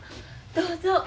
どうぞ。